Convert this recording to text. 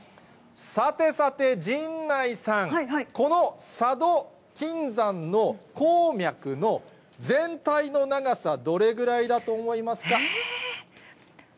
さてさて、陣内さん、この佐渡金山の鉱脈の全体の長さ、どれぐらいだと思いますか。